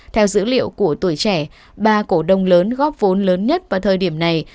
theo dữ liệu của tuổi trẻ ba cổ đông lớn góp vốn lớn nhất vào thời điểm này